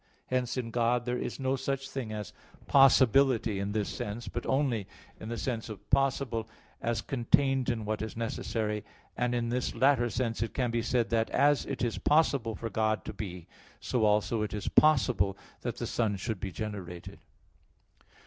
Hence, in God there is no such thing as possibility in this sense, but only in the sense of possible as contained in what is necessary; and in this latter sense it can be said that as it is possible for God to be, so also is it possible that the Son should be generated.